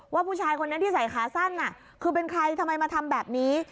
ผู้ชายคนนั้นที่ใส่ขาสั้นคือเป็นใครทำไมมาทำแบบนี้